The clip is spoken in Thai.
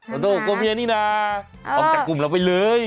ขอโทษกลัวเมียนี่นะออกจากกลุ่มเราไปเลย